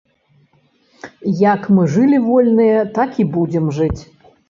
Як мы жылі вольныя, так і будзем жыць!